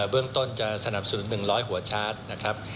เบื้องต้นจะสนับสนุน๑๐๐หัวชาร์จนะครับ